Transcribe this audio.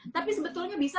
tapi sebetulnya bisa gak